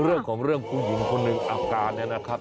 เรื่องของเรื่องผู้หญิงคนหนึ่งอาการเนี่ยนะครับ